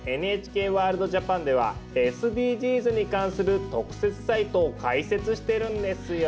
「ＮＨＫワールドＪＡＰＡＮ」ではＳＤＧｓに関する特設サイトを開設してるんですよ。